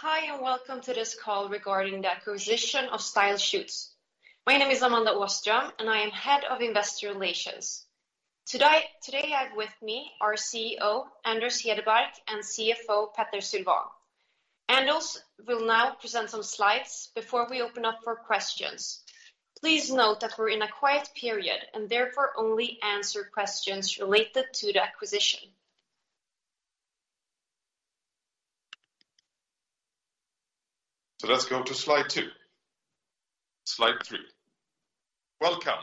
Hi, and welcome to this call regarding the acquisition of StyleShoots. My name is Amanda Åström, and I am Head of Investor Relations. Today I have with me our CEO, Anders Hedebark, and CFO, Petter Sylwan. Anders will now present some slides before we open up for questions. Please note that we're in a quiet period, and therefore only answer questions related to the acquisition. Let's go to slide two. Slide three. Welcome.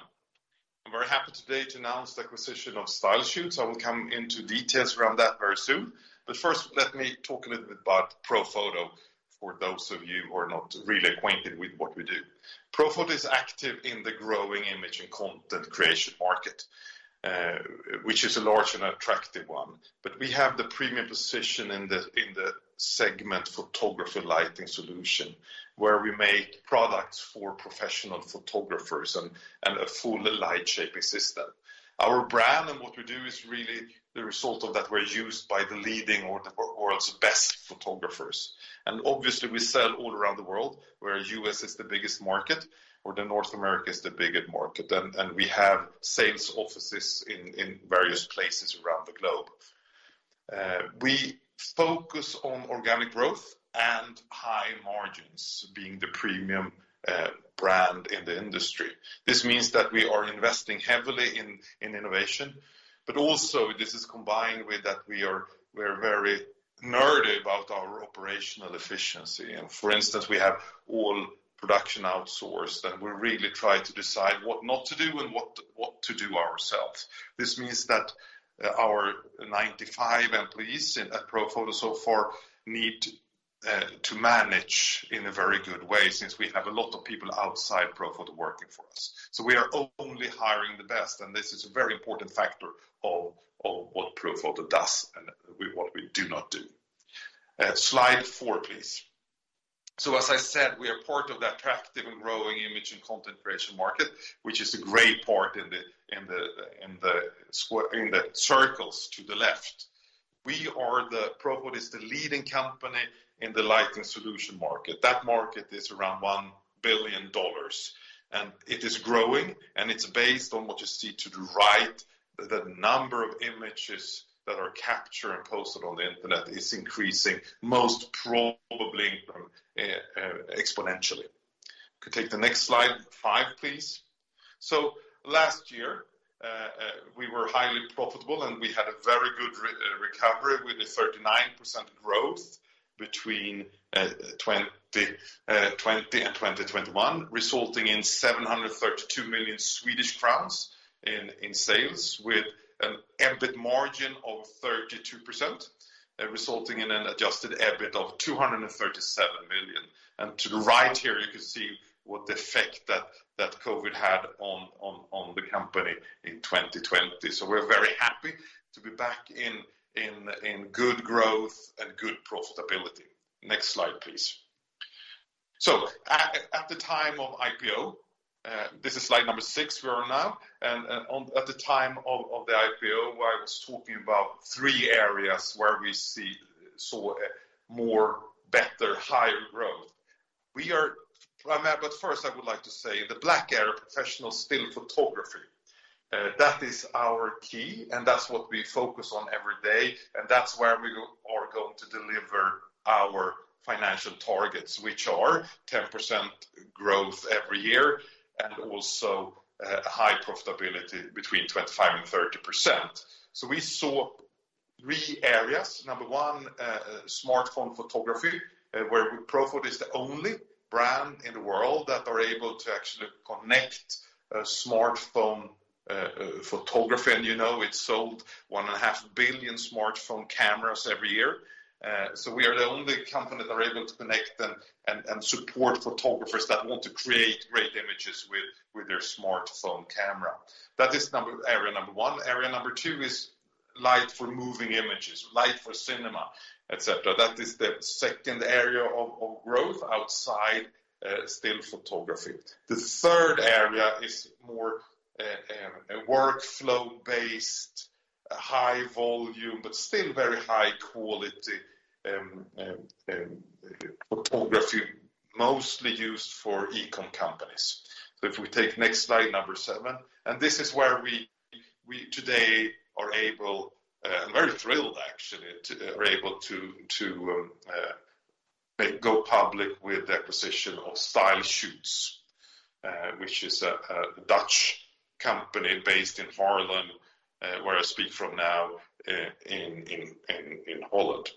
I'm very happy today to announce the acquisition of StyleShoots. I will come into details around that very soon. First, let me talk a little bit about Profoto for those of you who are not really acquainted with what we do. Profoto is active in the growing image and content creation market, which is a large and attractive one. We have the premium position in the segment photography lighting solution, where we make products for professional photographers and a full light shaping system. Our brand and what we do is really the result of that we're used by the leading or the world's best photographers. Obviously, we sell all around the world, where U.S. is the biggest market, or North America is the biggest market, and we have sales offices in various places around the globe. We focus on organic growth and high margins being the premium brand in the industry. This means that we are investing heavily in innovation, but also this is combined with that we are very nerdy about our operational efficiency. For instance, we have all production outsourced, and we really try to decide what not to do and what to do ourselves. This means that our 95 employees at Profoto so far need to manage in a very good way since we have a lot of people outside Profoto working for us. We are only hiring the best, and this is a very important factor of what Profoto does and what we do not do. Slide four, please. As I said, we are part of that attractive and growing image and content creation market, which is a great part in the circles to the left. Profoto is the leading company in the lighting solution market. That market is around $1 billion, and it is growing, and it's based on what you see to the right, the number of images that are captured and posted on the Internet is increasing, most probably, exponentially. Could take the next slide, five, please. Last year, we were highly profitable, and we had a very good recovery with a 39% growth between 2020 and 2021, resulting in 732 million Swedish crowns in sales with an EBIT margin of 32%, resulting in an adjusted EBIT of 237 million. To the right here, you can see what the effect that COVID had on the company in 2020. We're very happy to be back in good growth and good profitability. Next slide, please. At the time of IPO, this is slide number six we are on now, and at the time of the IPO, I was talking about three areas where we saw a more better, higher growth. We are... First, I would like to say the black arrow, professional still photography, that is our key, and that's what we focus on every day, and that's where we are going to deliver our financial targets, which are 10% growth every year and also high profitability between 25%-30%. We saw three areas. Number one, smartphone photography, where Profoto is the only brand in the world that are able to actually connect a smartphone photography. You know, it's sold 1.5 billion smartphone cameras every year. We are the only company that are able to connect and support photographers that want to create great images with their smartphone camera. That is area number one. Area number two is light for moving images, light for cinema, et cetera. That is the second area of growth outside still photography. The third area is more a workflow-based, high volume, but still very high quality photography, mostly used for e-com companies. If we take next slide, number seven, and this is where we today are able, very thrilled actually, to go public with the acquisition of StyleShoots, which is a Dutch company based in Haarlem, where I speak from now, in Holland.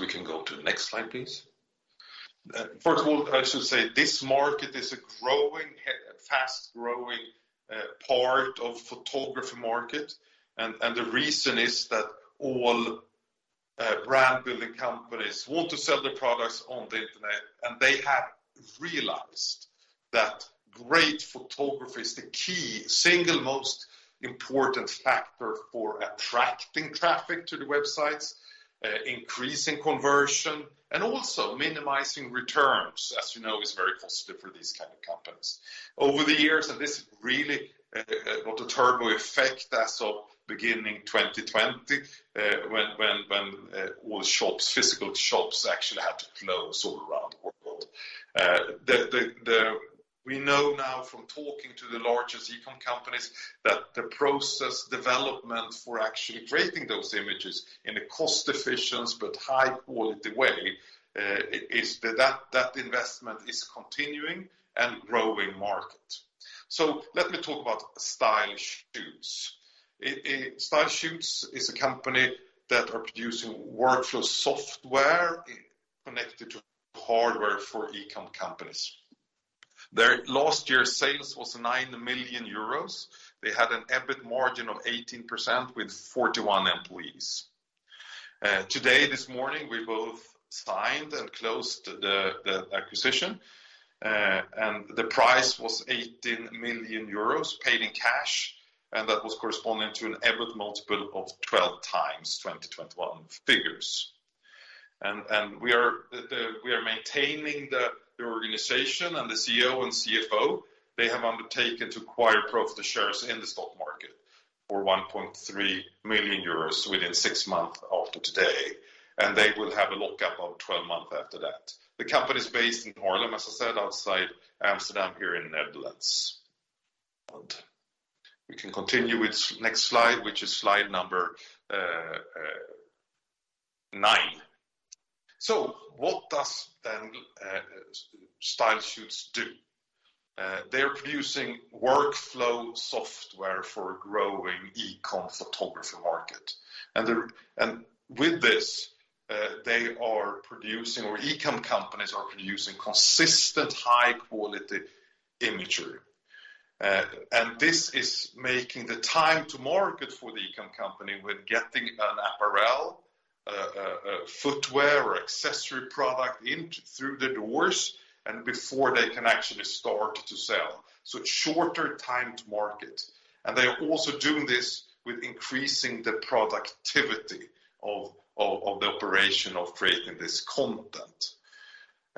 We can go to the next slide, please. First of all, I should say this market is a growing, fast-growing part of photography market. The reason is that all brand building companies want to sell their products on the internet, and they have realized that great photography is the key, single most important factor for attracting traffic to the websites, increasing conversion, and also minimizing returns, as you know, is very costly for these kind of companies. Over the years, this really got a turbo effect as of beginning 2020, when all physical shops actually had to close all around the world. We know now from talking to the largest e-com companies that the process development for actually creating those images in a cost efficient but high quality way, that investment is continuing and growing market. Let me talk about StyleShoots. StyleShoots is a company that are producing workflow software connected to hardware for e-com companies. Their last year sales was 9 million euros. They had an EBIT margin of 18% with 41 employees. Today, this morning, we both signed and closed the acquisition, and the price was 18 million euros paid in cash, and that was corresponding to an EBIT multiple of 12x 2021 figures. We are maintaining the organization and the CEO and CFO. They have undertaken to acquire Profoto shares in the stock market for 1.3 million euros within six months after today. They will have a lock-up of 12 months after that. The company is based in Haarlem, as I said, outside Amsterdam, here in the Netherlands. We can continue with next slide, which is slide number nine. What does then StyleShoots do? They are producing workflow software for growing e-com photography market. With this, they are producing or e-com companies are producing consistent high quality imagery. This is making the time to market for the e-com company when getting an apparel a footwear or accessory product in through the doors and before they can actually start to sell. It's shorter time to market. They are also doing this with increasing the productivity of the operation of creating this content.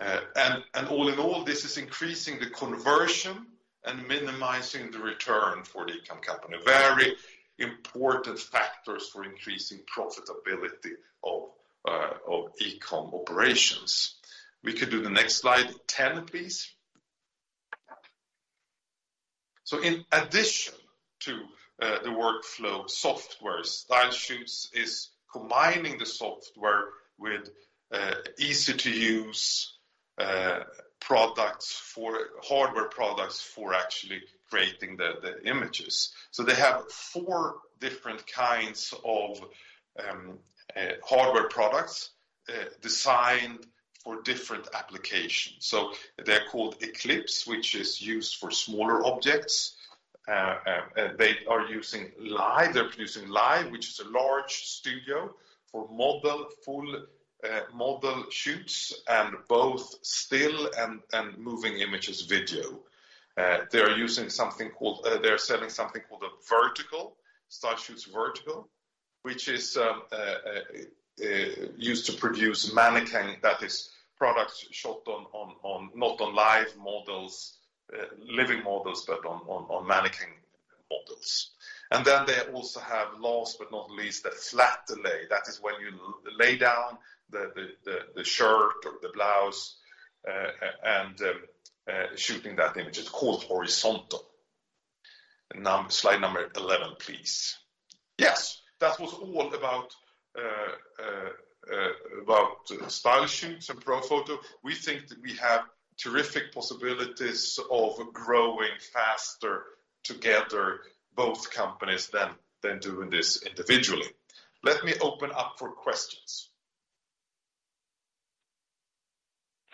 All in all, this is increasing the conversion and minimizing the return for the e-com company. Very important factors for increasing profitability of e-com operations. We could do the next slide 10, please. In addition to the workflow software, StyleShoots is combining the software with easy-to-use hardware products for actually creating the images. They have four different kinds of hardware products designed for different applications. They're called Eclipse, which is used for smaller objects. They are producing Live, which is a large studio for full model shoots and both still and moving images video. They are selling something called a Vertical, StyleShoots Vertical, which is used to produce mannequin. That is products shot not on living models but on mannequin models. Then they also have last but not least, a flat lay. That is when you lay down the shirt or the blouse and shooting that image. It's called Horizontal. Slide number 11, please. Yes, that was all about StyleShoots and Profoto. We think that we have terrific possibilities of growing faster together, both companies, than doing this individually. Let me open up for questions.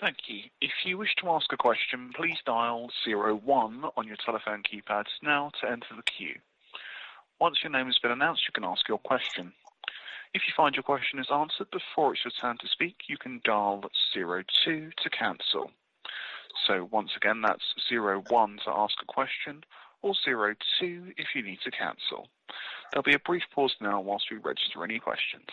Thank you. If you wish to ask a question, please dial zero one on your telephone keypads now to enter the queue. Once your name has been announced, you can ask your question. If you find your question is answered before it's your turn to speak, you can dial zero two to cancel. Once again, that's zero one to ask a question or zero two if you need to cancel. There'll be a brief pause now while we register any questions.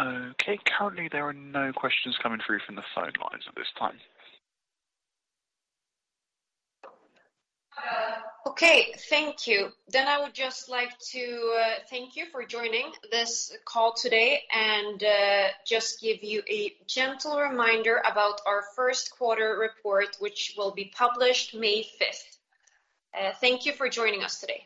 Okay. Currently, there are no questions coming through from the phone lines at this time. Okay. Thank you. I would just like to thank you for joining this call today and just give you a gentle reminder about our first quarter report, which will be published May 5th. Thank you for joining us today.